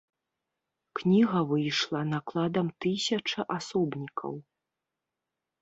Кніга выйшла накладам тысяча асобнікаў.